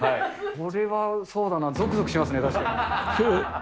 これはそうだな、ぞくぞくします